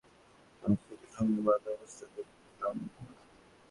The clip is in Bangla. সেখানে গিয়ে তিনি আবছারকে একটি গাছের সঙ্গে বাঁধা অবস্থায় দেখতে পান।